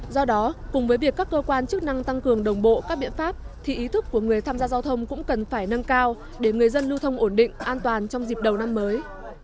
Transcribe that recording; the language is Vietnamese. do đó cùng với việc các cơ quan chức năng tăng cường đồng bộ các biện pháp thì ý thức của người tham gia giao thông cũng cần phải nâng cao để người dân lưu thông ổn định an toàn trong dịp đầu năm mới